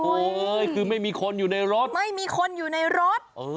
โอ้โหคือไม่มีคนอยู่ในรถไม่มีคนอยู่ในรถ